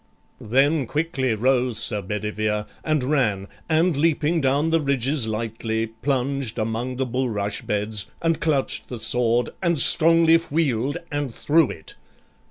Then quickly rose Sir Bedivere, and ran, And, leaping down the ridges lightly, plunged Among the bulrush beds, and clutch'd the sword, And strongly wheel'd and threw it.